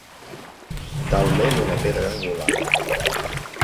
Talment una pedra angular.